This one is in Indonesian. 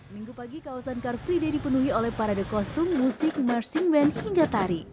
minggu pagi kawasan kartride dipenuhi oleh parade kostum musik marching band hingga tari